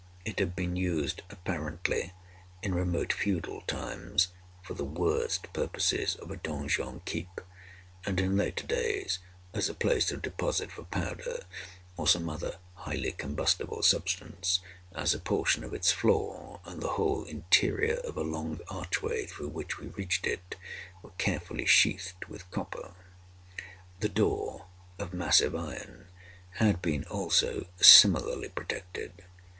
It had been used, apparently, in remote feudal times, for the worst purposes of a donjon keep, and, in later days, as a place of deposit for powder, or some other highly combustible substance, as a portion of its floor, and the whole interior of a long archway through which we reached it, were carefully sheathed with copper. The door, of massive iron, had been, also, similarly protected.